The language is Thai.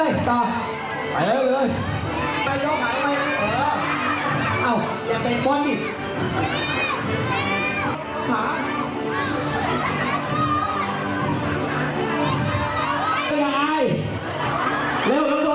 เอาล้อเล่อเริ่มเลยต่อ